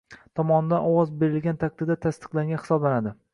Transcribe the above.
tomonidan ovoz ʙerilgan taqdirda tasdiqlangan hisoʙlanadi